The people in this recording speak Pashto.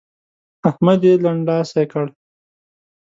احمد يې لنډلاسی کړ.